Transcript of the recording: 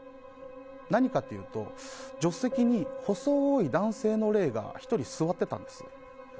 何かっていうと助手席に細い男性の霊が１人、座ってたんです。